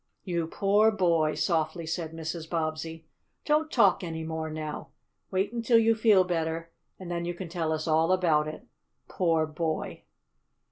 "You poor boy!" softly said Mrs. Bobbsey. "Don't talk any more now. Wait until you feel better and then you can tell us all about it. Poor boy!"